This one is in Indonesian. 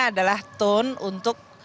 adalah ton untuk